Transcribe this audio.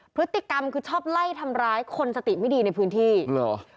พฤติกรรมคือชอบไล่ทำร้ายคนสติไม่ดีในพื้นที่เหรอ